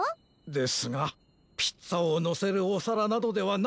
ですがピッツァをのせるおさらなどではないのです。